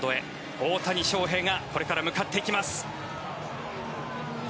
大谷翔平がこれから向かっていきます。